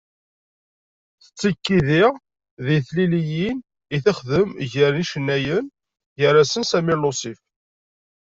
Tettekki diɣ deg teliliyin i texdem gar n yicennayen, gar-asen Samir Lusif.